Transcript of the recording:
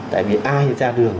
tại vì ai ra đường